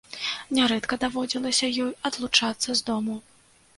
Нярэдка даводзілася ёй адлучацца з дому.